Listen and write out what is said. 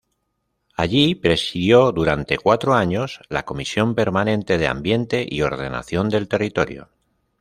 Allí presidió durante cuatro años la Comisión Permanente de Ambiente y Ordenación del Territorio.